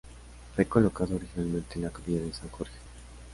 Fue colocado originalmente en la Capilla de San Jorge.